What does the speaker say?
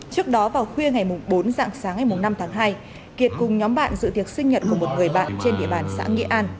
trước đó vào khuya ngày bốn dạng sáng ngày năm tháng hai kiệt cùng nhóm bạn dự tiệc sinh nhật của một người bạn trên địa bàn xã nghĩa an